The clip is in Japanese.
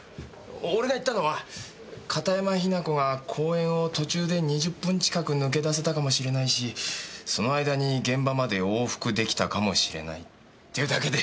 俺が言ったのは片山雛子が講演を途中で２０分近く抜け出せたかもしれないしその間に現場まで往復出来たかもしれないっていうだけで。